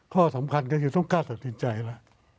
ข้อสำคัญก็คือต้องกล้าตัดสินใจแล้ว